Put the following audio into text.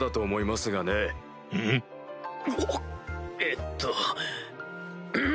えっと。